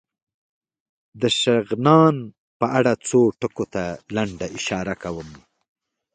د شغنان په اړه څو ټکو ته لنډه اشاره کوم.